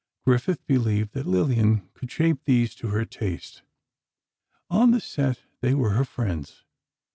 Griffith believed that Lillian could shape these to her taste. On the set, they were her friends.